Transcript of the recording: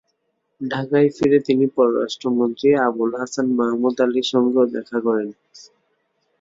ঢাকায় ফিরে তিনি পররাষ্ট্রমন্ত্রী আবুল হাসান মাহমুদ আলীর সঙ্গেও দেখা করেন।